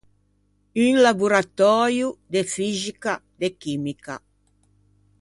Un laboratöio de fixica, de chimica.